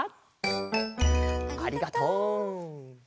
ありがとう。